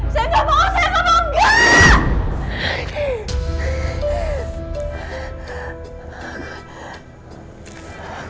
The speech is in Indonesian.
saya enggak mau saya enggak mau enggak